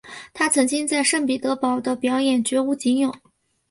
她曾经在圣彼得堡的表演绝无仅有。